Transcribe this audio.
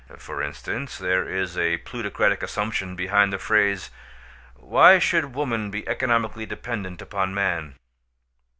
For instance, there is a plutocratic assumption behind the phrase "Why should woman be economically dependent upon man?"